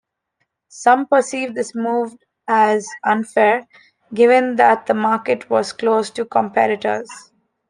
Some perceived this move as unfair, given that the market was closed to competitors.